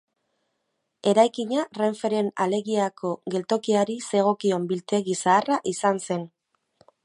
Eraikina Renferen Alegiako geltokiari zegokion biltegi zaharra izan zen.